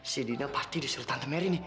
si dina pasti disuruh tante merry nih